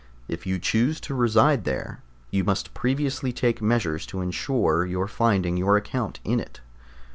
If you choose to reside there, you must previously take measures to ensure your finding your account in it.